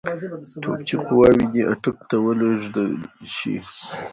توپچي قواوې دي اټک ته ولېږل شي.